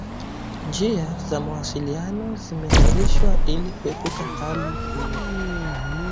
Njia za mawasiliano zimeanzishwa ili kuepuka hali hiyo.